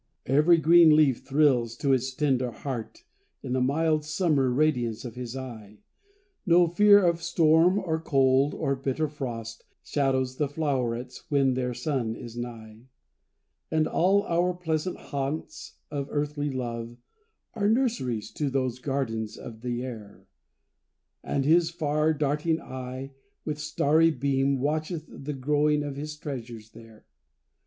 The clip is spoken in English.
Every green leaf thrills to its tender heart, In the mild summer radiance of his eye; No fear of storm, or cold, or bitter frost, Shadows the flowerets when their sun is nigh. And all our pleasant haunts of earthly love Are nurseries to those gardens of the air; And his far darting eye, with starry beam, Watcheth the growing of his treasures there.